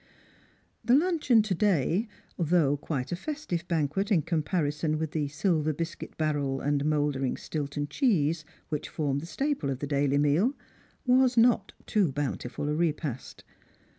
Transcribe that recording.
The luncheon to day, though quite a festive banquet in comparison with the silver biscuit barrel and mouldering Stilton cheese which formed the staple of the daily meal, was not too bountiful a repast.